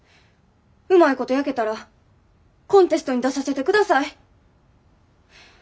うまいこと焼けたらコンテストに出させてください。